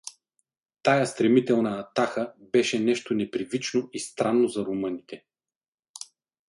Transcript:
Тая стремителна атаха беше нещо непривично и странно за румъните.